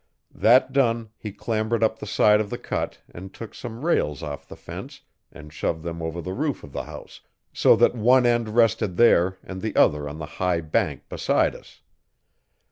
That done, he clambered up the side of the cut and took some rails off the fence and shoved them over on the roof of the house, so that one end rested there and the other on the high bank beside us.